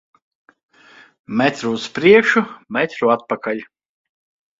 Metru uz priekšu, metru atpakaļ.